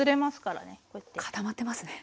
固まってますね。